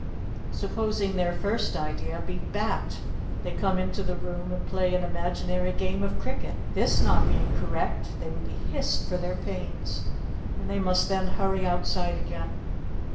Supposing their first idea be "Bat," they come into the room and play an imaginary game of cricket. This not being correct, they would be hissed for their pains, and they must then hurry outside again.